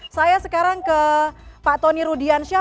saya sekarang ke pak tony rudiansyah